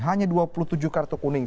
hanya dua puluh tujuh kartu kuning